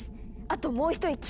あともう一息。